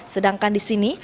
sedangkan di sini